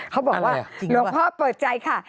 เขาบอกว่าหลวงพ่อเปิดใจค่ะ